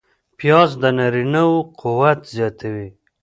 پیاز د نارینه و قوت زیاتوي